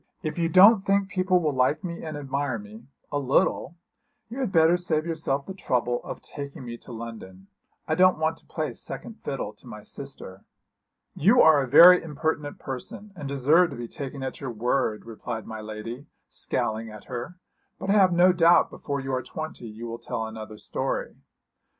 'If you don't think people will like me and admire me a little you had better save yourself the trouble of taking me to London. I don't want to play second fiddle to my sister.' 'You are a very impertinent person, and deserve to be taken at your word,' replied my lady, scowling at her; 'but I have no doubt before you are twenty you will tell another story.'